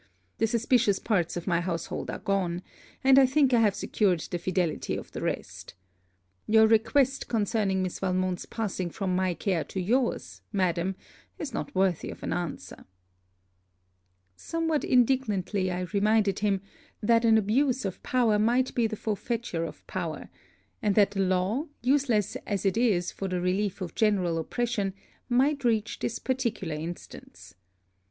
The suspicious part of my household are gone; and I think I have secured the fidelity of the rest. Your request concerning Miss Valmont's passing from my care to your's madam, is not worthy of an answer.' Somewhat indignantly I reminded him, that an abuse of power might be the forfeiture of power; and that the law, useless as it is for the relief of general oppression, might reach this particular instance.